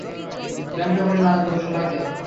ল্যাংটা করে নাচাবো শালাকে।